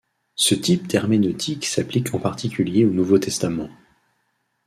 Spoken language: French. Ce type d'herméneutique s'applique en particulier au Nouveau Testament.